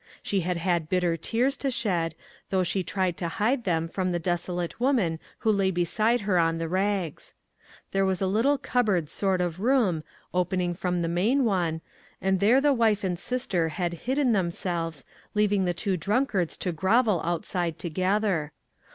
She had had bitter tears to shed, though she tried to hide them from the desolate woman who lay beside her on the rags. There was a little cupboard sort of room, opening from the main one, and there the wife and sister had hidden them selves, leaving the two drunkards to grovel outside together.